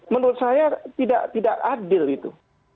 menurut saya tidak adil itu